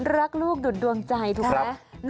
รักลูกดุดดวงใจถูกไหม